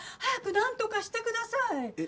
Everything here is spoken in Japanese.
早くなんとかしてください！